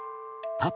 パパ。